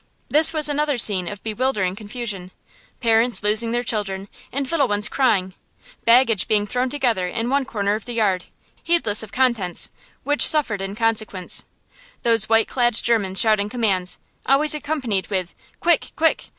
This was another scene of bewildering confusion, parents losing their children, and little ones crying; baggage being thrown together in one corner of the yard, heedless of contents, which suffered in consequence; those white clad Germans shouting commands, always accompanied with "Quick! Quick!"